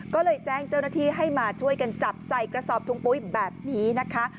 ก็เลยแจ้งเจ้าหน้าที่ให้มาช่วยกันจับใส่กระสอบถุงปุ๊ยแบบนี้นะคะ